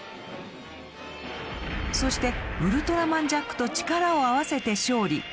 そしてウルトラマンジャックと力を合わせて勝利。